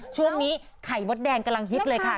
ช่วงนี้ไข่มดแดงกำลังฮิตเลยค่ะ